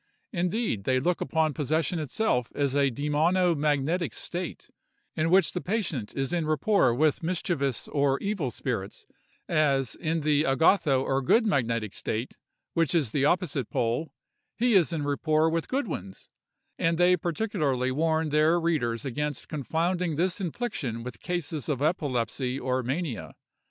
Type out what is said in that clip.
Indeed, they look upon possession itself as a demono magnetic state, in which the patient is in rapport with mischievous or evil spirits; as, in the agatho (or good) magnetic state, which is the opposite pole, he is in rapport with good ones: and they particularly warn their readers against confounding this infliction with cases of epilepsy or mania.